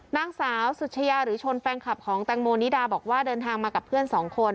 นางสาวสุชยาหรือชนแฟนคลับของแตงโมนิดาบอกว่าเดินทางมากับเพื่อนสองคน